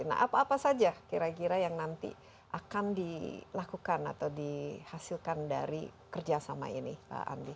nah apa apa saja kira kira yang nanti akan dilakukan atau dihasilkan dari kerjasama ini pak andi